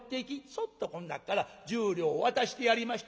そっとこん中から１０両を渡してやりましてね。